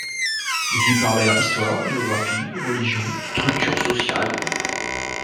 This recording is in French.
ils lui parlèrent histoire, géographie, religion, structures sociales